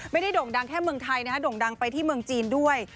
ไม่ได้ด่งดังแค่เมืองไทยด่งดังไปที่เมืองจีนส์ด้วย